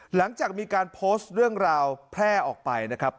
หลังจากมีการโพสต์เรื่องราวแพร่ออกไปนะครับ